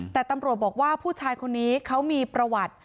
แต่ตำรวจบอกว่าผู้ชายคนนี้เขามีประวัติ